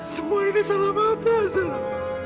semua ini salah bapak sana